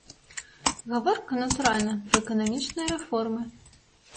Гаворка, натуральна, пра эканамічныя рэформы.